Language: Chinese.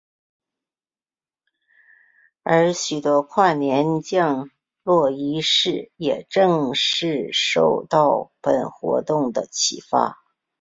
而许多跨年降落仪式也正是受到本活动的启发。